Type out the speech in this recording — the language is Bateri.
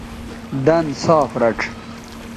دَن صاف رَڇھ